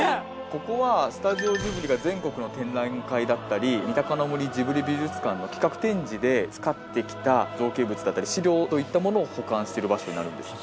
ここは、スタジオジブリが全国の展覧会だったり三鷹の森ジブリ美術館の企画展示で使ってきた造形物だったり資料といったものを保管している場所になるんです。